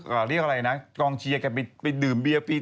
อ่าเรียกจะเรียกอะไรนะกองเชียร์แกไปดื่มเบียร์ฟรี